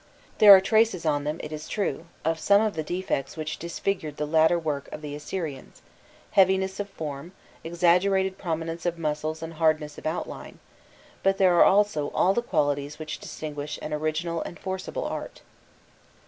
There are traces on them, it is true, of some of the defects which disfigured the latter work of the Assyrians heaviness of form, exaggerated prominence of muscles and hardness of outline but there are also all the qualities which distinguish an original and forcible art.